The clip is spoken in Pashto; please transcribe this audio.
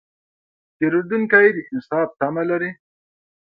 پیرودونکی د انصاف تمه لري.